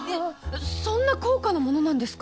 そんな高価なものなんですか！？